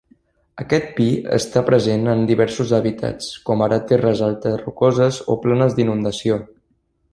Aquest pi està present en diversos hàbitats, com ara terres altes rocoses o planes d'inundació.